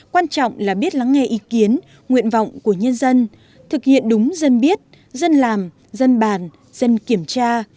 quan trọng là biết lắng nghe ý kiến nguyện vọng của nhân dân thực hiện đúng dân biết dân làm dân bàn dân kiểm tra